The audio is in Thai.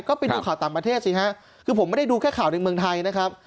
ก็ไปดูข่าวต่างประเทศสิฮะคือผมไม่ได้ดูแค่ข่าวในเมืองไทยนะครับ